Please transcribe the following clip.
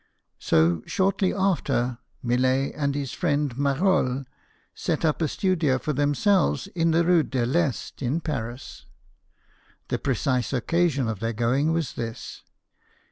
So, shortly after, Millet and his friend Marolle set up a studio for themselves in the Rue de 1'Est in Paris. The precise occasion of their going was this.